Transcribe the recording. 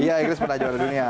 iya inggris pernah juara dunia